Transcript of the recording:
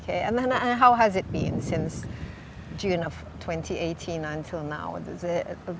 oke dan bagaimana sejak juni dua ribu delapan belas sampai sekarang